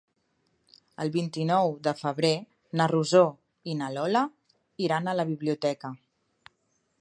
El vint-i-nou de febrer na Rosó i na Lola iran a la biblioteca.